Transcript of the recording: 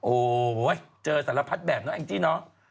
โอ้โหเจอสารพัดแบบเนาะแองจี้เนอะ